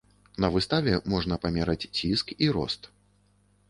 На выставе можна памераць ціск і рост.